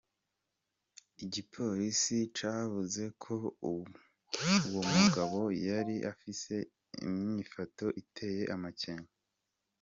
Igipolisi cavuze ko uwo mugabo yari afise inyifato iteye amakenga.